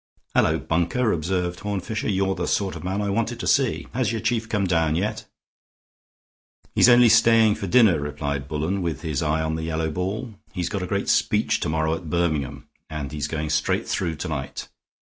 "Hullo, Bunker!" observed Horne Fisher. "You're the sort of man I wanted to see. Has your chief come down yet?" "He's only staying for dinner," replied Bullen, with his eye on the yellow ball. "He's got a great speech to morrow at Birmingham and he's going straight through to night.